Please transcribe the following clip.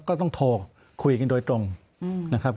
ก็ต้องโทรคุยกันโดยตรงนะครับ